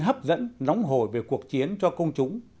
hấp dẫn nóng hồi về cuộc chiến cho công chúng